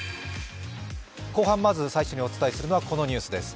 後半まず最初にお伝えするのはこのニュースです。